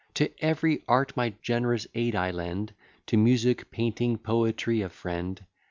To every art my gen'rous aid I lend, To music, painting, poetry, a friend.